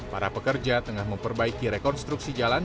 para pekerja tengah memperbaiki rekonstruksi jalan